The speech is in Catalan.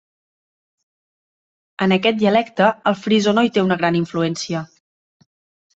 En aquest dialecte, el frisó no hi té una gran influència.